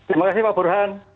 terima kasih pak burhan